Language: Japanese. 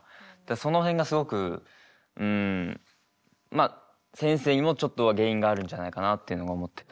その辺がすごくうんまあ先生にもちょっとは原因があるんじゃないかなっていうのが思ってて。